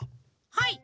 はい。